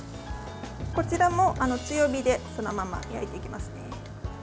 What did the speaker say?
こちらも強火でそのまま焼いていきますね。